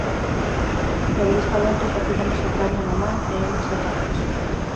Pero desta volta xa collemos a caña na man e imos de tapas.